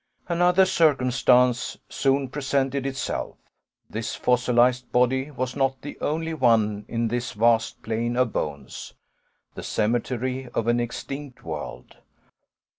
Another circumstance soon presented itself. This fossilized body was not the only one in this vast plain of bones the cemetery of an extinct world.